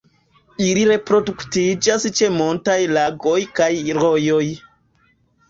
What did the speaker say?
Ili reproduktiĝas ĉe montaj lagoj kaj rojoj.